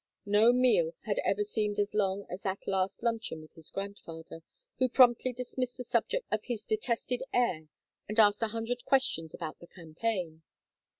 No meal had ever seemed as long as that last luncheon with his grandfather, who promptly dismissed the subject of his detested heir and asked a hundred questions about the campaign.